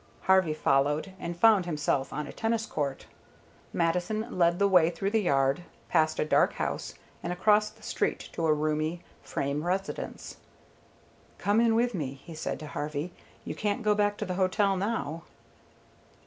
Harvey followed, and found himself on a tennis court. Mattison led the way through the yard, past a dark house, and across the street to a roomy frame residence. "Come in with me," he said to Harvey. "You can't go back to the hotel now."